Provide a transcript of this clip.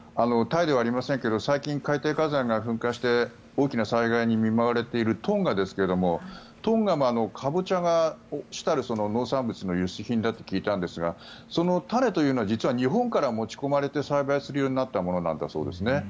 タイではありませんけど最近、海底火山が噴火して大きな災害に見舞われているトンガですけどトンガもカボチャが主たる農産物の輸出品だって聞いたんですがその種というのは実は日本から持ち込まれて栽培するようになったものだそうです。